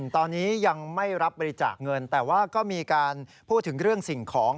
ตอนนี้ยังไม่รับบริจาคเงินแต่ว่าก็มีการพูดถึงเรื่องสิ่งของ